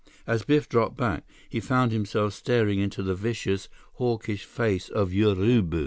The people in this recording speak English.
As Biff dropped back, he found himself staring into the vicious, hawkish face of Urubu!